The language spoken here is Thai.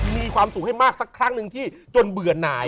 มีความสุขให้มากสักครั้งหนึ่งที่จนเบื่อหน่าย